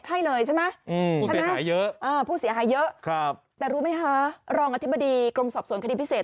ใช่เลยใช่ไหมผู้เสียหายเยอะแต่รู้ไหมคะรองอธิบดีกรมสอบสวนคดีพิเศษ